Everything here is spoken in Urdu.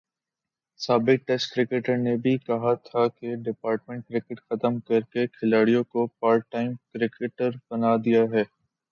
سابق ٹیسٹ کرکٹر نے بھی کہا تھا کہ ڈپارٹمنٹ کرکٹ ختم کر کے کھلاڑیوں کو پارٹ ٹائم کرکٹر بنادیا ہے۔